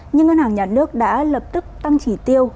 nhưng ngân hàng nhà nước đã lập tức tăng chỉ tiêu